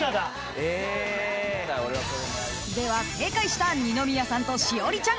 え⁉［では正解した二宮さんと栞里ちゃん